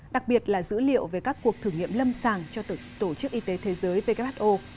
đặc biệt là dữ liệu về các cuộc thử nghiệm lâm sàng cho tổ chức y tế thế giới who